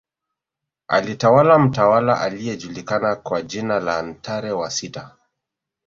Alitawala mtawala aliyejulikana kwa jina la Ntare wa sita